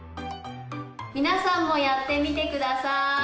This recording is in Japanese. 皆さんもやってみて下さい。